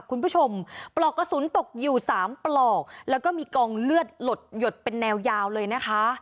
ปลอกกระสุนตกอยู่สามปลอกแล้วก็มีกองเลือดหลดหยดเป็นแนวยาวเลยนะคะ